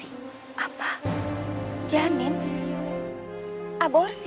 ibu tolong kuburin janin janin yang udah aku aborsi